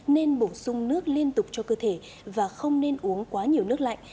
nên bổ sung nước liên tục cho cơ thể và không nên uống quá nhiều nước lạnh